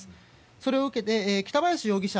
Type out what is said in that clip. それを受けて北畠容疑者